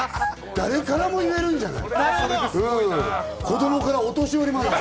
誰からも言えるんじゃない？